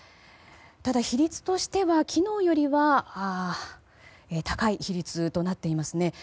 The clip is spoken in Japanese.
ただ、比率としては昨日よりは高い比率となっていますね。